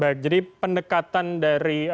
baik jadi pendekatan dari